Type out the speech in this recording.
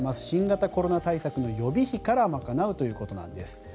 新型コロナ対策の予備費から賄うということなんです。